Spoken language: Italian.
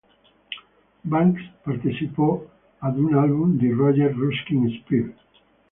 Banks partecipò ad un album di Roger Ruskin Spear.